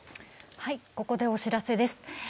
ここでお知らせです。